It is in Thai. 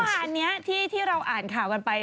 เมื่อวานนี้ที่เราอ่านข่าวกันไป